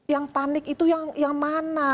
yang panik itu yang mana